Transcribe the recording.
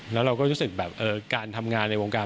แล้วเราก็รู้สึกแบบการทำงานในวงการ